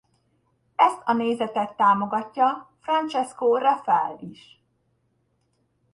Ezt a nézetet támogatja Francesco Raffaele is.